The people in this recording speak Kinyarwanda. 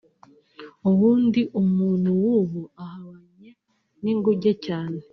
ubundi umuntu w’ubu ahabanye n’inguge cyane